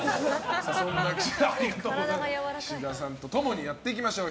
そんな岸田さんと共にやっていきましょう。